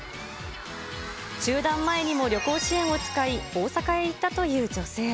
中断前にも旅行支援を使い、大阪へ行ったという女性。